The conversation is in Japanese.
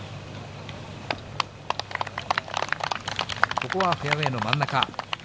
ここはフェアウエーの真ん中。